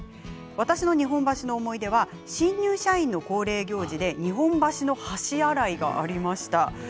私の日本橋の思い出は新入社員の恒例行事で日本橋の橋洗いがありました。